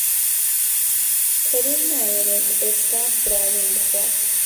کەریم نایەوێت ئێستا فراوین بخوات.